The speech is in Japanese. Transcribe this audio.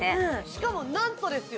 しかも何とですよ